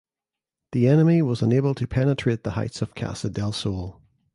The enemy was unable to penetrate the heights of Casa del Sole.